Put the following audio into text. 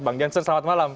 bang jansen selamat malam